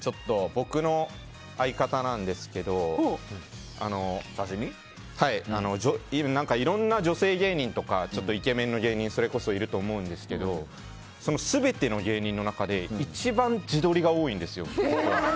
僕の相方なんですがいろんな女性芸人とかイケメンの芸人いると思うんですけどその全ての芸人の中で一番自撮りが多いんですよ。